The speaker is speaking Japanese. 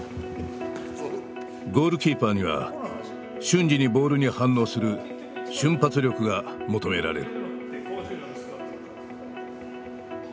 ゴールキーパーには瞬時にボールに反応する瞬発力が求められる。